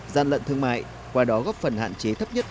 gian lận thương mại qua đó góp phần hạn chế thấp nhất